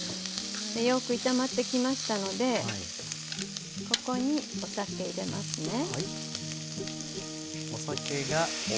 よく炒まってきましたのでここにお酒入れますね。